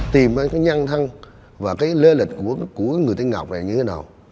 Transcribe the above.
tìm cái nhăn thăng và cái lê lịch của người tên ngọc này như thế nào